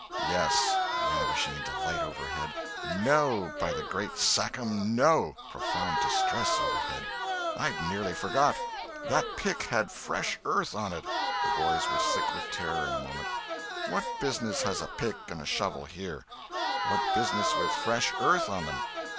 "Yes. [Ravishing delight overhead.] No! by the great Sachem, no! [Profound distress overhead.] I'd nearly forgot. That pick had fresh earth on it! [The boys were sick with terror in a moment.] What business has a pick and a shovel here? What business with fresh earth on them?